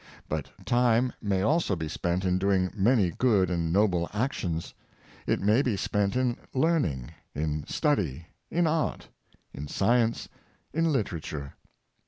But time may also be spent in doing many good and noble actions. It may be spent in learning, in study, in art, in science, in literature.